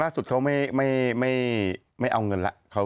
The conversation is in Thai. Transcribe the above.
สุดเขาไม่เอาเงินแล้ว